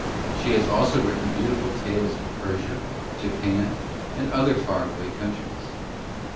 She has also written beautiful tales of Persia, Japan, and other far away countries.